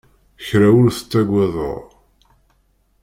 Kra ur tettagadeɣ.